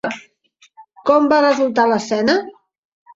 Com va resultar l'escena?